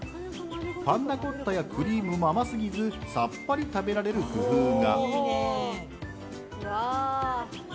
パンナコッタやクリームも甘すぎずさっぱり食べられる工夫が。